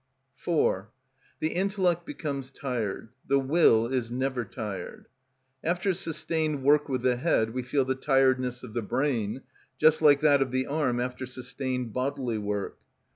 4. The intellect becomes tired; the will is never tired. After sustained work with the head we feel the tiredness of the brain, just like that of the arm after sustained bodily work.